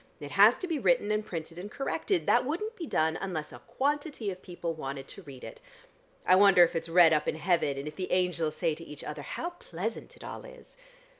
It has to be written and printed and corrected. That wouldn't be done unless a quantity of people wanted to read it. I wonder if it's read up in heaven, and if the angels say to each other how pleasant it all is."